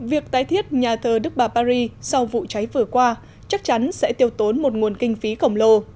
việc tái thiết nhà thờ đức bà paris sau vụ cháy vừa qua chắc chắn sẽ tiêu tốn một nguồn kinh phí khổng lồ